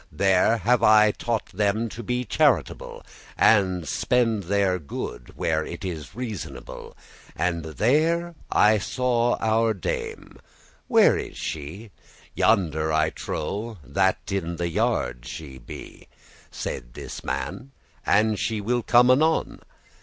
*scholars There have I taught them to be charitable, And spend their good where it is reasonable. And there I saw our dame; where is she?" "Yonder I trow that in the yard she be," Saide this man; "and she will come anon."